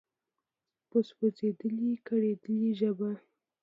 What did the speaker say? په سوزیدلي، کړیدلي ژبه